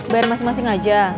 bayar masing masing aja